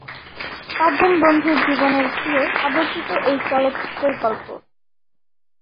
পাঁচজন বন্ধুর জীবনের ঘিরে আবর্তিত এই চলচ্চিত্রের গল্প।